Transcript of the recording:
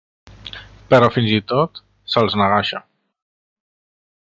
Però fins i tot se'ls negà això.